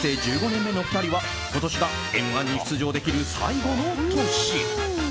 １５年目の２人は今年が「Ｍ‐１」に出場できる最後の年。